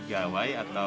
saya tidak tahu